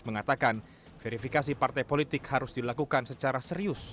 mengatakan verifikasi partai politik harus dilakukan secara serius